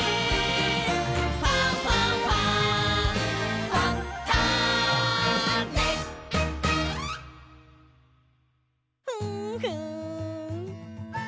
「ファンファンファン」ふんふん！